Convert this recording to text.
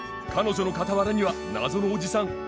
彼女の傍らには謎のおじさん。